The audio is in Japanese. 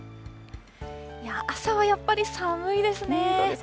朝はやっぱり寒いですね。